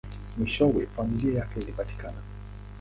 Mwishowe, familia yake ilipatikana.